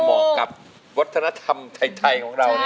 มองกับวัฒนธรรมไทยของเรานี่